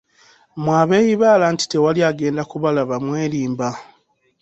Mmwe abeeyibaala nti tewali agenda kubalaba mwerimba.